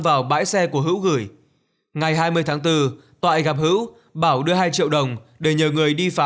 vào bãi xe của hữu gửi ngày hai mươi tháng bốn toại gặp hữu bảo đưa hai triệu đồng để nhờ người đi phá